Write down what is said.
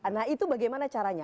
nah itu bagaimana caranya